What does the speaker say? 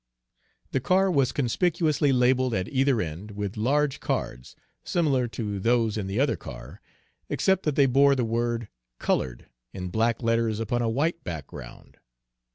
The car was conspicuously labeled at either end with large cards, similar to those in the other car, except that they bore the word "Colored" in black letters upon a white background.